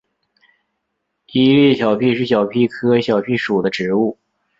伊犁小檗是小檗科小檗属的植物。